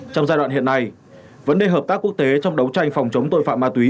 trong giai đoạn hiện nay vấn đề hợp tác quốc tế trong đấu tranh phòng chống tội phạm ma túy